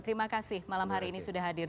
terima kasih malam hari ini sudah hadir